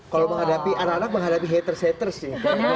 kalau menghadapi anak anak menghadapi haters haters sih